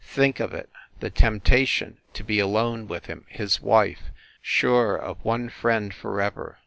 Think of it! The temptation to be alone with him his wife sure of one friend for ever!